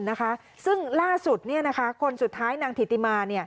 นะคะซึ่งล่าสุดคนสุดท้ายนางถิติมา